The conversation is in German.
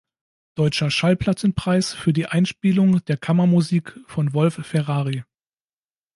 Deutscher Schallplattenpreis für die Einspielung der Kammermusik von Wolf-Ferrari.